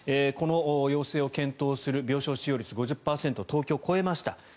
この要請を検討する病床使用率５０％を東京、超えました。